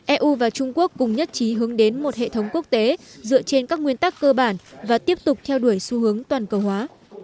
eu và trung quốc cùng nhất trí hướng đến một hệ thống quốc tế dựa trên các nguyên tắc cơ bản và tiếp tục theo đuổi xu hướng toàn cầu hóa